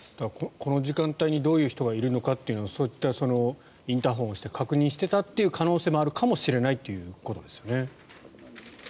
この時間帯にどういう人がいるのかというのをそういったインターホンを押して確認したという可能性もあるかもしれないということですよね。